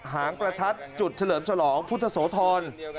หางประทัดจุดเฉลิมฉลองพุทธโสธร